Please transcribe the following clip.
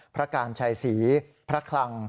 พระการชัยศรีพระคลัง